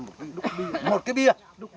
một cái đục bia